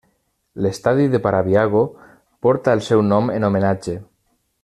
L'estadi de Parabiago porta el seu nom en homenatge.